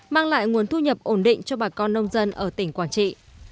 mang lại nguồn thu nhập ổn định cho bà con nông dân ở tỉnh quảng trị